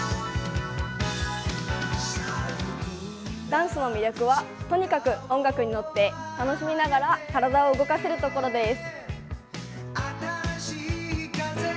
ダンスの魅力はとにかく音楽に乗って、楽しみながら体を動かせるところです。